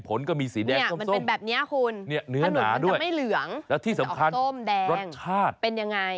ขนุลก็มีสีแดงส้มคุณเนี่ยเนื้อหนาด้วยมันจะออกโซมแดงรสชาติเป็นอย่างไร